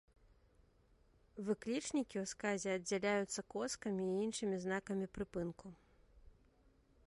Выклічнікі ў сказе аддзяляюцца коскамі і іншымі знакамі прыпынку.